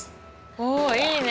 おいいね。